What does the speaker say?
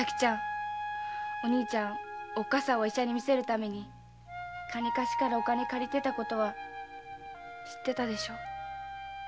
お兄ちゃんおっかさんを医者に診せるために金貸しからお金借りてたことは知ってたでしょ？